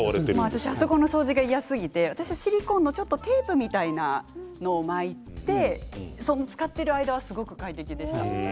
私はそこの掃除が嫌すぎてシリコンのテープみたいなものを巻いて使っている間は快適でした。